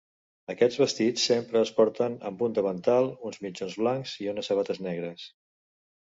Aquests vestits sempre es porten amb un davantal, uns mitjons blancs i unes sabates negres.